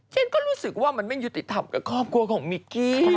ฉันก็รู้สึกว่ามันไม่ยุติธรรมกับครอบครัวของมิกกี้